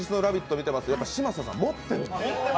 見てますと、嶋佐さん持ってる。